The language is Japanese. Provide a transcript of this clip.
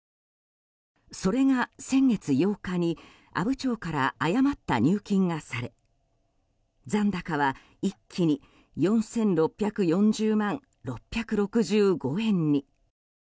それが先月８日に阿武町から誤った入金がされ残高は一気に４６４０万６６５円に。